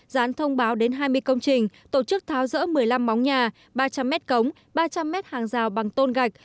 gián thông báo đến hai mươi công trình tổ chức tháo rỡ một mươi năm móng nhà ba trăm linh m cống ba trăm linh m hàng rào bằng tôn gạch